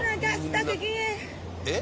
えっ？